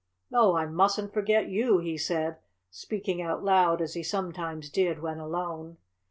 "Oh, I mustn't forget you!" he said, speaking out loud as he sometimes did when alone.